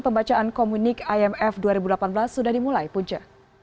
pembacaan komunik imf dua ribu delapan belas sudah dimulai punca